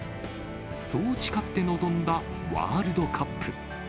そう誓って臨んだワールドカップ。